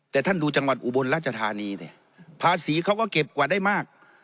แต่ท่านดูจังหวัดอุบลราชธานีสิภาษีเขาก็เก็บกว่าได้มาก